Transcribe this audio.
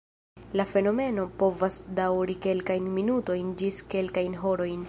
La fenomeno povas daŭri kelkajn minutojn ĝis kelkajn horojn.